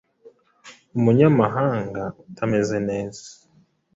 Umunyamahanga utameze neza